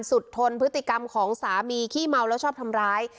ทนพฤติกรรมของสามีขี้เมาแล้วชอบทำร้าย